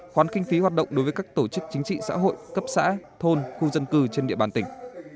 khoán kinh phí hoạt động đối với các tổ chức chính trị xã hội cấp xã thôn khu dân cư trên địa bàn tỉnh